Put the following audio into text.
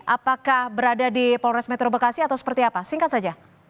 apakah berada di polres metro bekasi atau seperti apa singkat saja